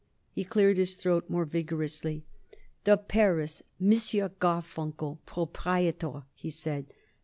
He cleared his throat more vigorously. "The Paris. M. Garfunkel, Proprietor," he said.